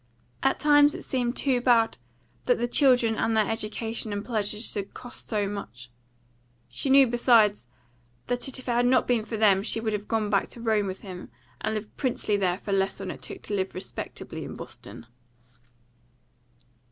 At times it seemed too bad that the children and their education and pleasures should cost so much. She knew, besides, that if it had not been for them she would have gone back to Rome with him, and lived princely there for less than it took to live respectably in Boston.